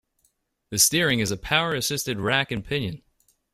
The steering is a power-assisted rack-and-pinion.